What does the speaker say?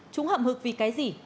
chúng hậm hực vì cái gì